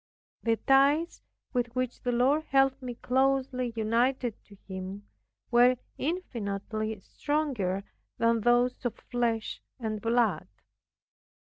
The ties, with which the Lord held me closely united to Himself, were infinitely stronger than those of flesh and blood.